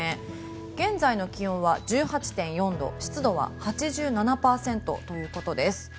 現在の気温は１８．４度湿度は８７％ということです。